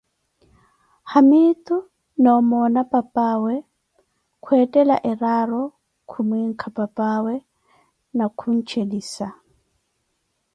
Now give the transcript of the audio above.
haamitu na omona papaawe kwetthela eraaro khumwinka papawe na khunchelisa.